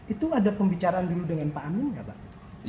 itu ada pembicaraan dulu dengan pak amin nggak pak